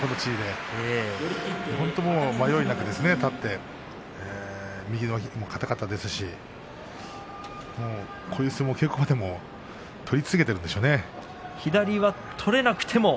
最も迷いなく立って右もかたかったですしこういう相撲、稽古場でも取り続けているんでしょうね。